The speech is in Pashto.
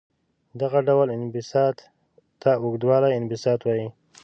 دغه ډول انبساط ته اوږدوالي انبساط وايي.